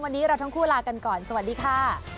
วันนี้เราทั้งคู่ลากันก่อนสวัสดีค่ะ